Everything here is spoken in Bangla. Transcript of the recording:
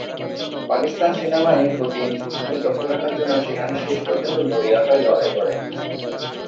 পাকিস্তান সেনাবাহিনী প্রতি ইঞ্চি ভূমির দখল রাখার জন্য সেখানে শেষ পর্যন্ত মরিয়া হয়ে লড়াই করে।